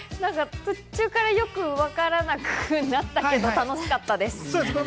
途中からよくわからなくなったけど楽しかったです。